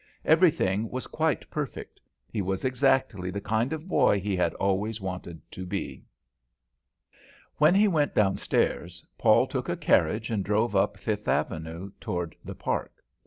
Everything was quite perfect; he was exactly the kind of boy he had always wanted to be. When he went downstairs, Paul took a carriage and drove up Fifth avenue toward the Park.